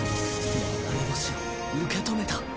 流れ星を受け止めた。